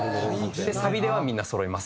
サビではみんなそろいます。